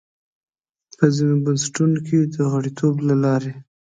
په ځینو بنسټونو کې د غړیتوب له لارې.